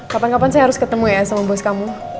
kapan kapan saya harus ketemu ya sama bos kamu